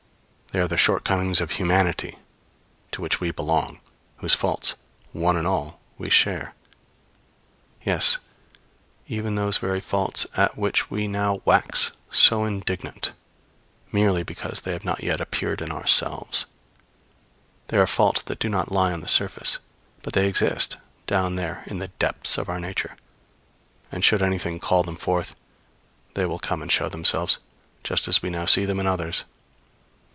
They are the shortcomings of humanity, to which we belong; whose faults, one and all, we share; yes, even those very faults at which we now wax so indignant, merely because they have not yet appeared in ourselves. They are faults that do not lie on the surface. But they exist down there in the depths of our nature; and should anything call them forth, they will come and show themselves, just as we now see them in others.